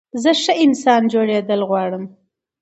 زه ښه انسان جوړېدل غواړم.